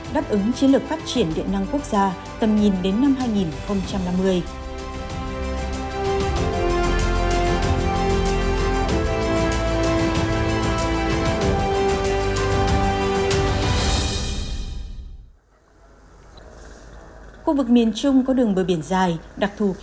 đáp ứng chiến lược phát triển điện năng quốc gia tầm nhìn đến năm hai nghìn năm mươi